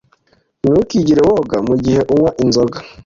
Ntukigere woga mugihe unywa inzoga.